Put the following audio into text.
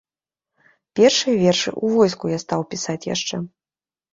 Першыя вершы ў войску я стаў пісаць яшчэ.